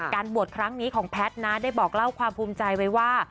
บวชครั้งนี้ของแพทย์นะได้บอกเล่าความภูมิใจไว้ว่า